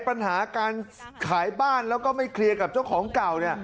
ปัญหาการขายบ้านแล้วก็ไม่เคลียร์กับเจ้าของเก่าเนี่ย